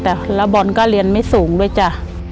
แต่แล้วบอลก็เรียนไม่สูงด้วยจ้ะ